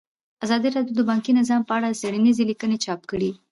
ازادي راډیو د بانکي نظام په اړه څېړنیزې لیکنې چاپ کړي.